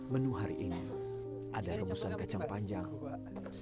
menu hari ini ada remusan kacang panjang sambal dan nasi putih